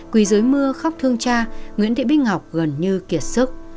quỳ giới mưa khóc thương cha nguyễn thị bích ngọc gần như kiệt sức